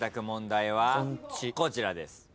問題はこちらです。